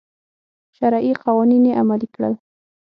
شرعي قوانین یې عملي کړل.